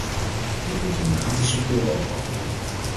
Dat wordt in een aantal sectoren ook al gedaan.